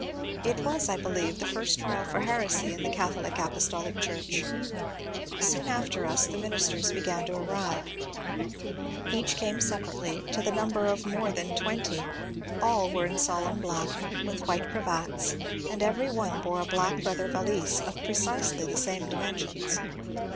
It was I believe the first trial for heresy in the Cath olic Apostolic Church. Soon after us the ministers began to arrive; each came separately, to the number of more than twenty. All were in solemn black, with white cravats, and every one bore a black leather valise of precisely the same dimensions.